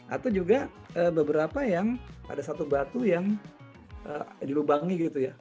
atau juga beberapa yang ada satu batu yang dilubangi gitu ya